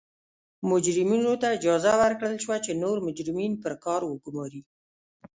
مجرمینو ته اجازه ورکړل شوه چې نور مجرمین پر کار وګوماري.